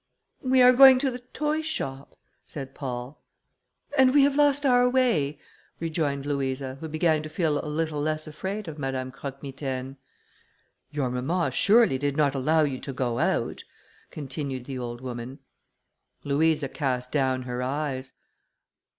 "We are going to the toy shop," said Paul. "And we have lost our way," rejoined Louisa, who began to feel a little less afraid of Madame Croque Mitaine. "Your mamma, surely, did not allow you to go out?" continued the old woman. Louisa cast down her eyes.